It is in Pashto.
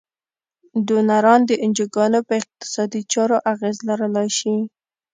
ډونران د انجوګانو په اقتصادي چارو اغیز لرلای شي.